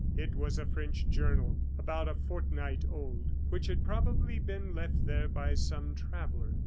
It was a French journal about a fortnight old, which had probably been left there by some traveller.